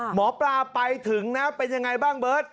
หมอปลาไปถึงนะเป็นยังไงบ้างเบิร์ต